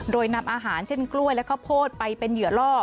โดยนำอาหารเช่นกล้วยและข้าวโพดไปเป็นเหยื่อล่อ